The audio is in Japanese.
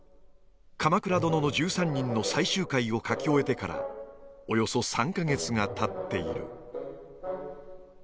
「鎌倉殿の１３人」の最終回を書き終えてからおよそ３か月がたっている。